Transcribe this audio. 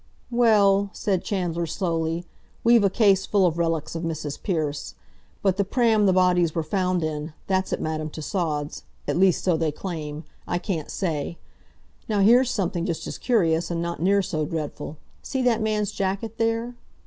"Well," said Chandler slowly, "we've a case full of relics of Mrs. Pearce. But the pram the bodies were found in, that's at Madame Tussaud's—at least so they claim, I can't say. Now here's something just as curious, and not near so dreadful. See that man's jacket there?"